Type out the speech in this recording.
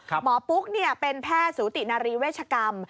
ปุ๊กเป็นแพทย์สูตินารีเวชกรรม